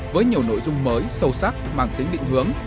với nhiều nội dung mới sâu sắc mang tính định hướng